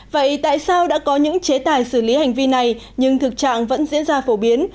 vậy tại sao đã có những chế tài xử lý hành vi này nhưng thực trạng vẫn diễn ra phổ biến